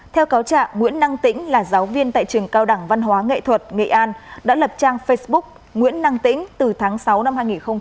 theo cáo trạng nguyễn năng tĩnh là giáo viên tại trường cao đẳng văn hóa nghệ thuật nghệ an đã lập trang facebook nguyễn năng tĩnh từ tháng sáu năm hai nghìn một mươi chín